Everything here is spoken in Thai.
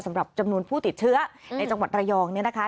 สำหรับจำนวนผู้ติดเชื้อในจังหวัดระยองเนี่ยนะคะ